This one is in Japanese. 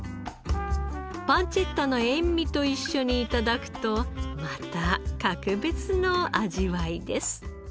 パンチェッタの塩味と一緒に頂くとまた格別の味わいです。